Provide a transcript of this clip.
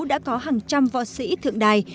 đã có hàng trăm võ sĩ thượng đài